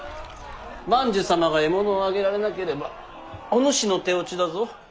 万寿様が獲物を挙げられなければおぬしの手落ちだぞ。